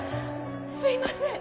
すいません！